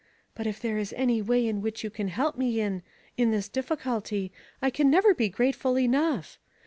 "But if there is any way in which you can help me in in this difficulty I can never be grateful enough.